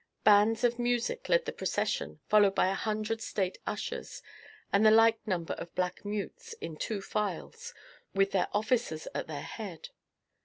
Bands of music led the procession, followed by a hundred state ushers, and the like number of black mutes, in two files, with their officers at their head.